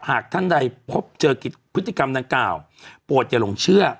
หากท่านใดพบเจอพฤติกรรมดังกล่าวปวดอย่าหลงเชื่อ